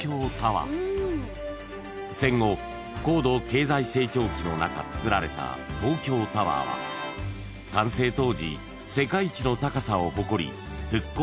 ［戦後高度経済成長期の中つくられた東京タワーは完成当時世界一の高さを誇り復興の象徴でした］